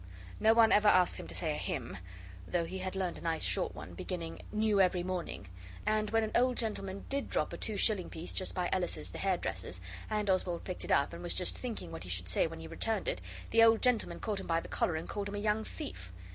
No one ever asked him to say a hymn, though he had learned a nice short one, beginning 'New every morning' and when an old gentleman did drop a two shilling piece just by Ellis's the hairdresser's, and Oswald picked it up, and was just thinking what he should say when he returned it, the old gentleman caught him by the collar and called him a young thief.